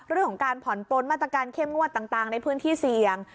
เรื่องของการผ่อนปลนมาตรการเข้มงวดต่างในพื้นที่เสี่ยง